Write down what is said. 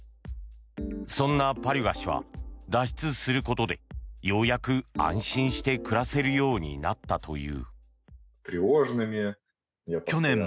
そんなパリュガ氏は脱出することでようやく安心して暮らせるようになったという。